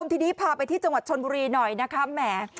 ทีนี้พาไปที่จังหวัดชนบุรีหน่อยนะคะแหม